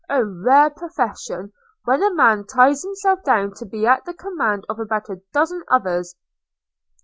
– A rare profession, when a man ties himself down to be at the command of about a dozen others!'